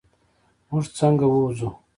مونږ څنګه ووځو؟